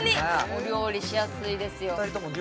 お料理しやすいですよ